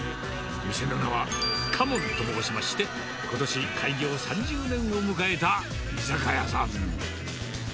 店の名は、花門と申しまして、ことし、開業３０年を迎えた居酒屋さん。